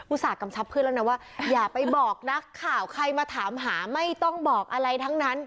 ต่ากำชับเพื่อนแล้วนะว่าอย่าไปบอกนักข่าวใครมาถามหาไม่ต้องบอกอะไรทั้งนั้น